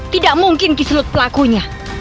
tidak mungkin kiselut pelakunya